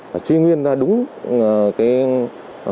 và truy nguyên ra đúng cái yếu tố về mặt nghiệp vụ để phát hiện và giám định ra